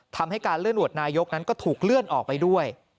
ทำให้การเลื่อนโหวตนายกนั้นก็ถูกเลื่อนออกไปด้วย